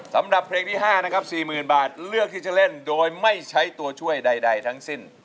สำหรับเพลงที่๕นะครับ๔๐๐๐บาทเลือกที่จะเล่นโดยไม่ใช้ตัวช่วยใดทั้งสิ้น